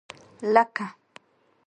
لکه.